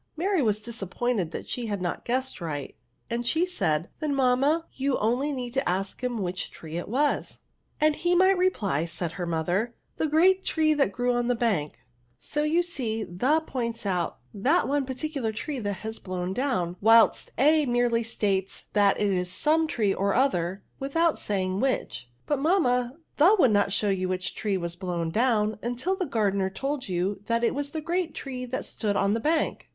Mary was disappointed that she had not guessed right, and she said, '^ Then, mamma, you need only ask him which tree it was»" '' And he might reply," said her mother, the great tree that grew on the bank ! So you see the points out that one particular tree has been blown down ; whilst a merely states that it is some tree or other, without saying which." *^ But, mamma, the would not show you which tree was blown down until the gar* dener told you that it was the great tree that stood on the bank."